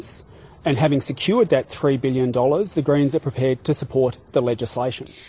dan setelah memperbaiki tiga miliar dolar pemerintah sedang bersiap untuk mendukung legislasi